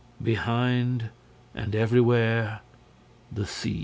Behind and everywhere, the sea.